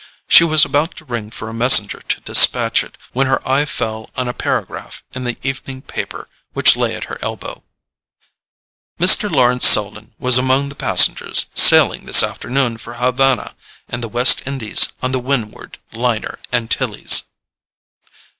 She was about to ring for a messenger to despatch it when her eye fell on a paragraph in the evening paper which lay at her elbow: "Mr. Lawrence Selden was among the passengers sailing this afternoon for Havana and the West Indies on the Windward Liner Antilles."